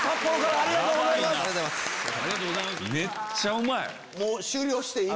ありがとうございます。